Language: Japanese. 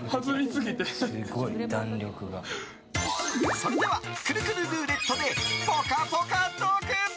それではくるくるルーレットでぽかぽかトーク！